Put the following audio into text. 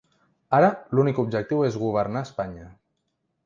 Ara l’únic objectiu és governar Espanya.